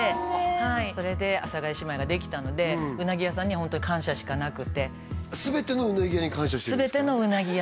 はいそれで阿佐ヶ谷姉妹ができたのでうなぎ屋さんにはほんとに感謝しかなくて全てのうなぎ屋に感謝してるんですか？